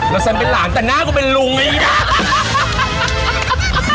แล้วแซมเป็นหลานแต่หน้ากูเป็นลุงไง